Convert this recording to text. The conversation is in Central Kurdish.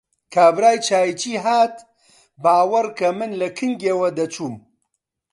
کابرای چاییچی هات، باوەڕ کە من لە کنگیەوە دەچووم!